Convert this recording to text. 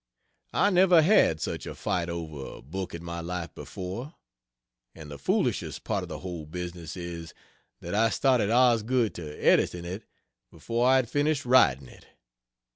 I never had such a fight over a book in my life before. And the foolishest part of the whole business is, that I started Osgood to editing it before I had finished writing it.